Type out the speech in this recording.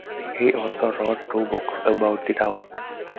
He also wrote two books about the town.